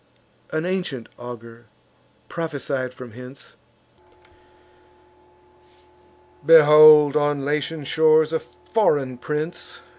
An ancient augur prophesied from hence: "Behold on Latian shores a foreign prince!